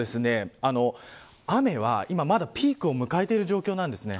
雨は今まだピークを迎えている状況なんですね。